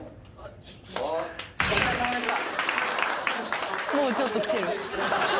お疲れさまでした。